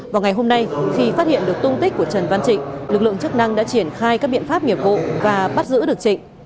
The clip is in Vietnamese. vào ngày hôm nay khi phát hiện được tung tích của trần văn trịnh lực lượng chức năng đã triển khai các biện pháp nghiệp vụ và bắt giữ được trịnh